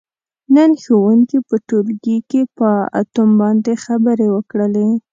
نن ښوونکي په ټولګي کې په اتوم باندې خبرې وکړلې.